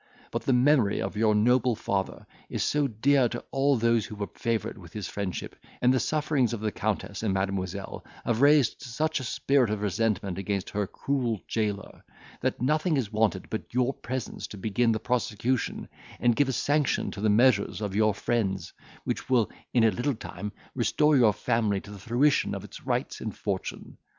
But the memory of your noble father is so dear to all those who were favoured with his friendship, and the sufferings of the Countess and Mademoiselle have raised such a spirit of resentment against her cruel jailor, that nothing is wanted but your presence to begin the prosecution, and give a sanction to the measures of your friends, which will in a little time restore your family to the fruition of its rights and fortune.